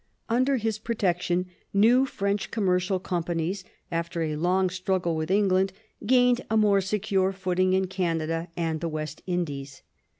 Under his protection new French commercial companies, after a long struggle with England, gained a more secure footing in Canada and the West Indies.